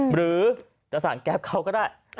หรือจะสั่งแก๊ปเขาก็ได้